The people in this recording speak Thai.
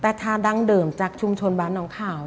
แต่ทานดั้งเดิมจากชุมชนบ้านน้องขาว